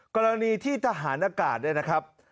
กรณีที่ทหารอากาศเนี่ยนะครับ